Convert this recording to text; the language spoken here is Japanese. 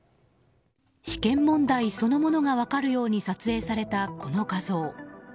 試験問題そのものが分かるように撮影されたこの画像。